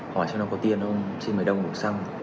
hỏi xem nó có tiền không xin mấy đồng một xăm